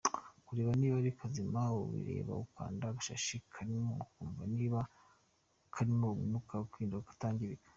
Kureba niba ari kazima: Ubireba ukanda agashashi karimo ukumva niba karimo umwuka, ukarinda kutangirika.